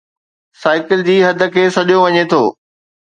cycle جي حد کي سڏيو وڃي ٿو